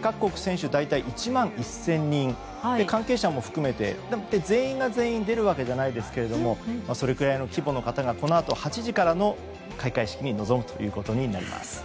各国選手、大体１万１０００人関係者も含めて、全員が全員出るわけじゃないですがそれくらいの規模の方がこのあと８時からの開会式に臨むということになります。